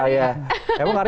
jangan kalah dong jago aria